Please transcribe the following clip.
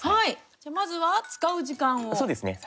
じゃあまずは使う時間を決める。